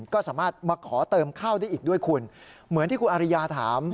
ก็สามารถมาขอเติมข้าวได้อีกด้วยคุณเหมือนที่คุณอริยาถาม